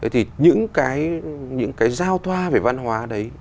thì những cái giao thoa về văn hóa đấy